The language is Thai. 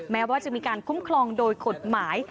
แม้ว่าจะมีการคุ้มครองโดยกฎหมาย